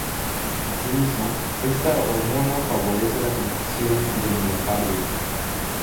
Asimismo, esta hormona favorece la contracción del miocardio.